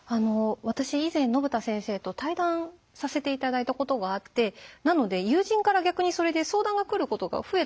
私以前信田先生と対談させて頂いたことがあってなので友人から逆にそれで相談が来ることが増えた。